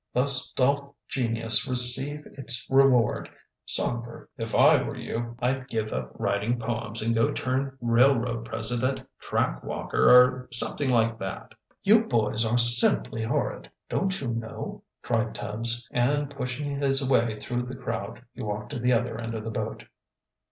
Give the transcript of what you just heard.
Thus doth genius receive its reward. Songbird, if I were you, I'd give up writing poems, and go turn railroad president, track walker, or something like that." "You boys are simply horrid, don't you know!" cried Tubbs, and, pushing his way through the crowd, he walked to the other end of the boat.